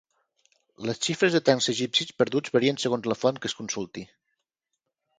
Les xifres de tancs egipcis perduts varien segons la font que es consulti.